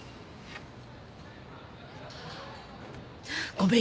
ごめん。